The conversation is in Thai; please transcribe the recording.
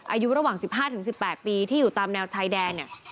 อายุระหว่าง๑๕๑๘ปีที่อยู่ตามแนวชายแดนเนี่ย